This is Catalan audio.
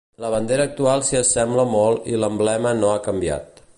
La bandera actual s'hi assembla molt i l'emblema no ha canviat.